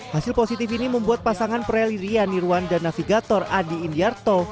hasil positif ini membuat pasangan prali ria nirwan dan navigator adi indiarto